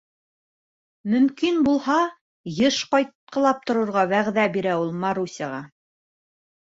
Мөмкин булһа, йыш ҡайтҡылап торорға вәғәҙә бирә ул Марусяға.